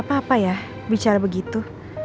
apa apa ya bicara begitu